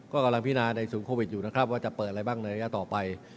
ก็กำลังพินาในศูนย์โควิดอยู่นะครับว่าจะเปิดอะไรบ้างในระยะต่อไป